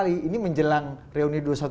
ini menjelang reuni dua ratus dua belas